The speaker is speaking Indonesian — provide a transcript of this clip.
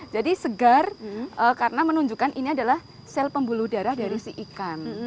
jadi segar karena menunjukkan ini adalah sel pembuluh darah dari si ikan